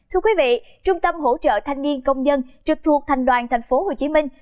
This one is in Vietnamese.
thưa quý vị trung tâm hỗ trợ thanh niên công nhân trực thuộc thành đoàn thành phố hồ chí minh